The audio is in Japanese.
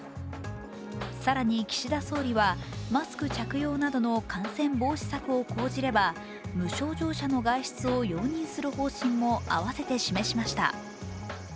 更に岸田総理はマスク着用などの感染防止策を講じれば無症状者の外出を容認する方針も合わせて示しました。